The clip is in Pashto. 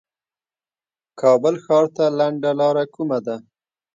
کابل ښار ته لنډه لار کومه ده